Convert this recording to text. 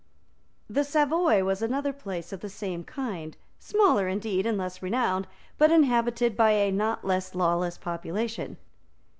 The Savoy was another place of the same kind, smaller indeed, and less renowned, but inhabited by a not less lawless population.